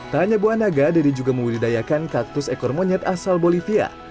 tak hanya buah naga deddy juga membudidayakan kaktus ekor monyet asal bolivia